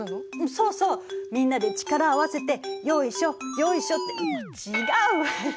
そうそうみんなで力を合わせてよいしょよいしょって違うわよ。